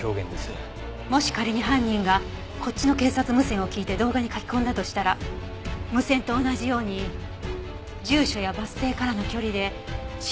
もし仮に犯人がこっちの警察無線を聞いて動画に書き込んだとしたら無線と同じように住所やバス停からの距離で示したはずでしょ？